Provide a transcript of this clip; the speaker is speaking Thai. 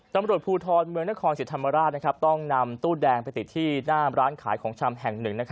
ตำรวจภูทรเมืองนครศรีธรรมราชต้องนำตู้แดงไปติดที่หน้าร้านขายของชำแห่งหนึ่ง